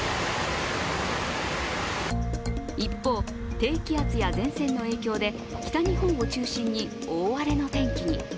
一方、低気圧や前線の影響で北日本を中心に大荒れの天気に。